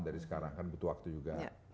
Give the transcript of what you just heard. dari sekarang kan butuh waktu juga